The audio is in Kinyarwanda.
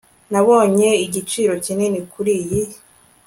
Nabonye igiciro kinini kuriyi